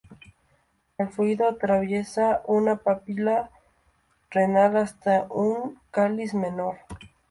El fluido atraviesa una papila renal hasta un cáliz menor.